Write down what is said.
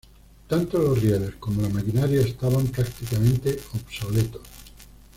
Tanto los rieles como la maquinaria estaban prácticamente obsoletos.